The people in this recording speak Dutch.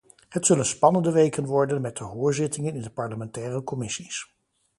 Het zullen spannende weken worden met de hoorzittingen in de parlementaire commissies.